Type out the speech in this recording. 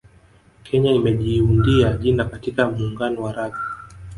Kenya imejiundia jina katika muungano wa raga